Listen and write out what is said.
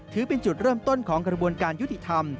ถือเป็นจุดเริ่มต้นของกระบวนการยุติธรรม